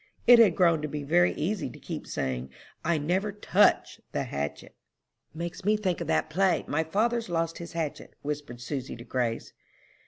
It had grown to be very easy to keep saying, I never touched the hatchet.'" "Makes me think of that play, 'My father's lost his hatchet,'" whispered Susy to Grace.